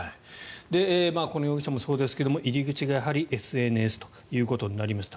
この容疑者もそうですが入り口がやはりＳＮＳということになりました。